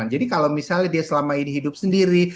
jadi kalau misalnya dia selama ini hidup sendiri